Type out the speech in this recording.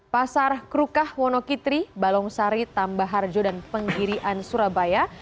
pasar krukah wonokitri balongsari tambaharjo dan pegirian surabaya